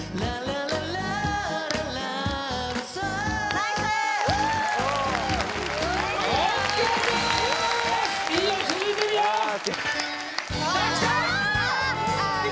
・ナイスＯＫですいいよ続いてるよさあきたあ